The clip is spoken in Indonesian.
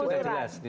tidak ada pengusuran